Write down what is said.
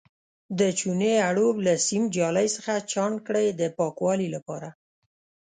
د چونې اړوب له سیم جالۍ څخه چاڼ کړئ د پاکوالي لپاره.